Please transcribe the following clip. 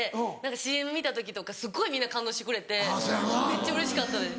ＣＭ見た時とかすっごいみんな感動してくれてめっちゃうれしかったです。